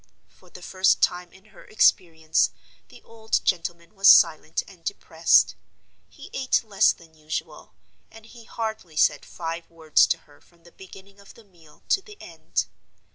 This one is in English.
For the first time in her experience the old gentleman was silent and depressed. He ate less than usual, and he hardly said five words to her from the beginning of the meal to the end.